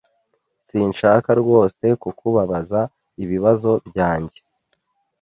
Sinshaka rwose kukubabaza ibibazo byanjye.